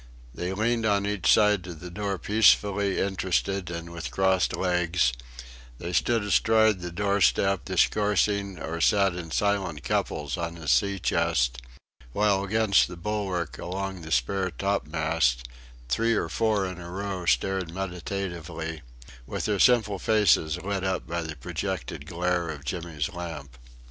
They leaned on each side of the door peacefully interested and with crossed legs; they stood astride the doorstep discoursing, or sat in silent couples on his sea chest; while against the bulwark along the spare topmast, three or four in a row stared meditatively, with their simple faces lit up by the projected glare of Jimmy's lamp.